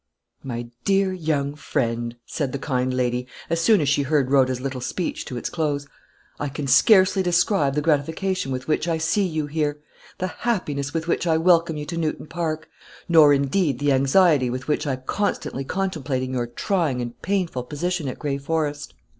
"My dear young friend," said the kind lady, as soon as she heard Rhoda's little speech to its close, "I can scarcely describe the gratification with which I see you here; the happiness with which I welcome you to Newton Park; nor, indeed, the anxiety with which I constantly contemplated your trying and painful position at Gray Forest.